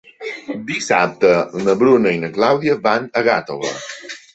Dissabte na Bruna i na Clàudia van a Gàtova.